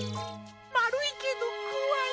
まるいけどこわい。